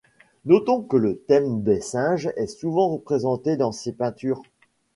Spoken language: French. Notons que le thème des singes est souvent représenté dans ses peintures.